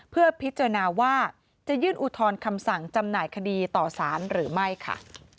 เพื่อพิจารณาว่าจะยื่นอุทธรณ์คำสั่งจำหน่ายคดีต่อสารหรือไม่ค่ะ